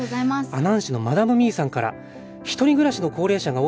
阿南市のマダムミユさんから。